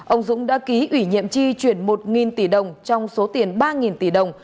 ông dũng đã ký ủy nhiệm tri chuyển một tỷ đồng trong số tiền ba tỷ đồng